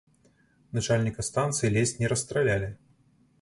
Начальніка станцыі ледзь не расстралялі.